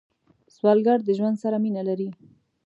سوالګر د ژوند سره مینه لري